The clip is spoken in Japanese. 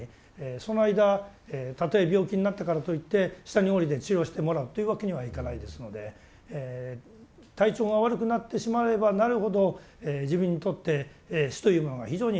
その間たとえ病気になったからといって下に下りて治療してもらうというわけにはいかないですので体調が悪くなってしまえばなるほど自分にとって死というものが非常に近くまた感じてくる。